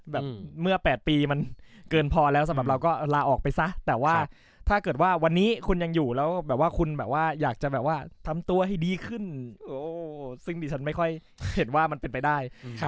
แบบเมื่อ๘ปีมันเกินพอแล้วสำหรับเราก็ลาออกไปซะแต่ว่าถ้าเกิดว่าวันนี้คุณยังอยู่แล้วแบบว่าคุณแบบว่าอยากจะแบบว่าทำตัวให้ดีขึ้นซึ่งดิฉันไม่ค่อยเห็นว่ามันเป็นไปได้